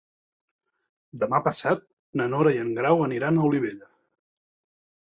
Demà passat na Nora i en Grau aniran a Olivella.